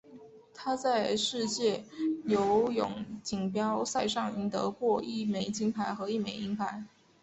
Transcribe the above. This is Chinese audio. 他在世界游泳锦标赛上赢得过一枚金牌和一枚银牌。